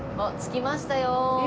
あっ着きましたよ。